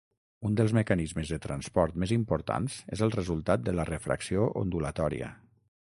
Un dels mecanismes de transport més importants és el resultat de la refracció ondulatòria.